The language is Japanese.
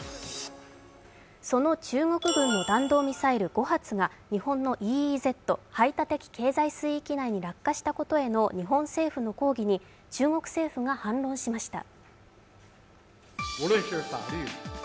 その中国軍の弾道ミサイル５発が日本のＥＥＺ＝排他的経済水域内に落下したことへの日本政府の抗議に中国政府が反論しました。